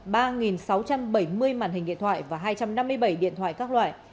ba sáu trăm bảy mươi màn hình điện thoại và hai trăm năm mươi bảy điện thoại các loại